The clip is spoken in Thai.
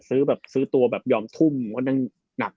แบบซื้อตัวแบบยอมทุ่มว่านั่งหนัก